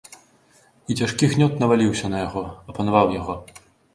І цяжкі гнёт наваліўся на яго, апанаваў яго.